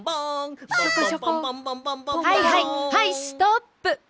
はいはいはいストップ！